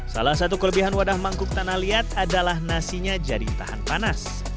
salah satu kelebihan wadah mangkuk tanah liat adalah nasinya jadi tahan panas